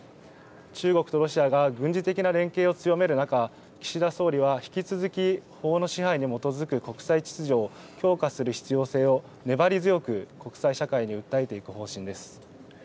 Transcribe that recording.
中国とロシアが軍事的な連携を強める中、岸田総理は引き続き、法の支配に基づく国際秩序を強化する必要性を粘り強く国際社会に訴えていく方針です。